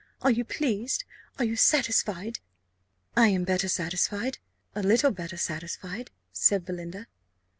Are you pleased, are you satisfied?" "I am better satisfied a little better satisfied," said Belinda.